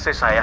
ada apa pak